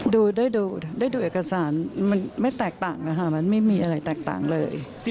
ดูได้ดูเอกสารมันไม่แตกต่างนะคะมันไม่มีอะไรแตกต่างเลย